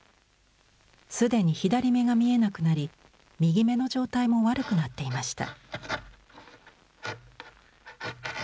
すでに左目が見えなくなり右目の状態も悪くなっていました。